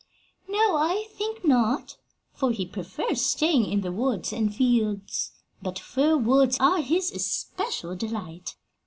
"No, I think not, for he prefers staying in the woods and fields; but fir woods are his especial delight.